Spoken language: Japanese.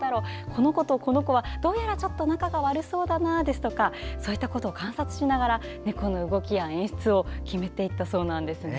この子とこの子とは、どうやらちょっと仲が悪そうだとかそういったことを観察しながら、猫の動きや演出を決めていったそうです。